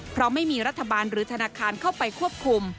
เพราะไม่มีรัฐบาลหรือธนาคารเข้าไปควบคุม